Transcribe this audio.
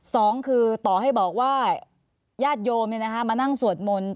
สองคือต่อให้บอกว่าญาติโยมมานั่งสวดมนต์